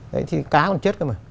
thế thì cá còn chết thôi mà